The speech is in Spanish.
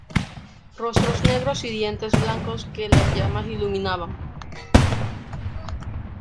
rostros negros y dientes blancos que las llamas iluminaban.